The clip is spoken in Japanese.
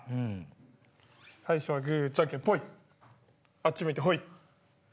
あっち向いてホイ。